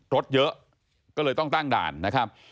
รถเยอะก็เลยต้องตั้งด่านนะครับ